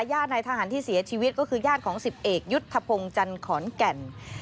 ญาติในทหารที่เสียชีวิตก็คือญาติของสิบเอกยุทธพงศ์จันทร์ขอนแก่น